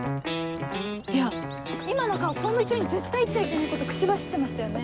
いや今の顔公務中に絶対言っちゃいけないこと口走ってましたよね？